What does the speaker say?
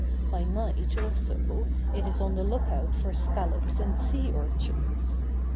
By night also it is on the look out for scallops and sea urchins.